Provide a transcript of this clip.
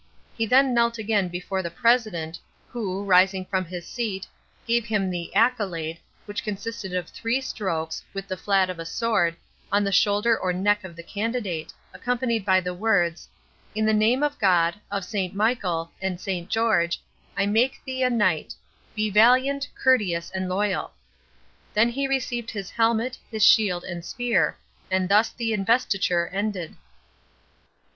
He then knelt again before the president, who, rising from his seat, gave him the "accolade," which consisted of three strokes, with the flat of a sword, on the shoulder or neck of the candidate, accompanied by the words: "In the name of God, of St. Michael, and St. George, I make thee a knight; be valiant, courteous, and loyal!" Then he received his helmet, his shield, and spear; and thus the investiture ended.